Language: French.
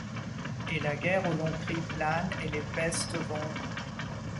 Et la guerre aux longs cris plane, et les pestes vont